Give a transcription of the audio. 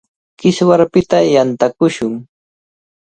Kiswarpita yantakushun.